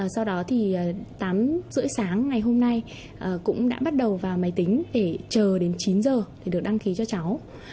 sau đó thì tám h ba mươi sáng ngày hôm nay cũng đã bắt đầu vào máy tính để chờ đến chín giờ để được đăng ký cho cháu